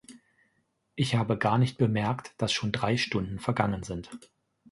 Ich habe gar nicht bemerkt, dass schon drei Stunden vergangen sind.